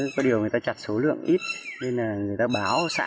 có điều người ta chặt số lượng ít nên là người ta báo xã